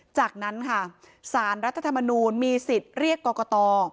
จากนั้นค่ะสารรัฐธรรมนูลมีสิทธิ์เรียกกรกต